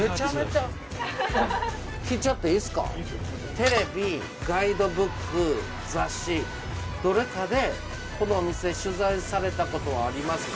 テレビガイドブック雑誌どれかでこのお店取材された事はありますか？